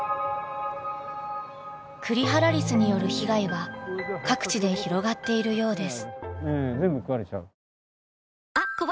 クリハラリスによる被害は各地で広がっているようです。